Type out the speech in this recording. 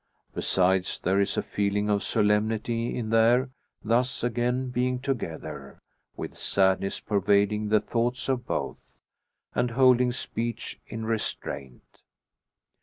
Besides, there is a feeling of solemnity in their thus again being together, with sadness pervading the thoughts of both, and holding speech in restraint.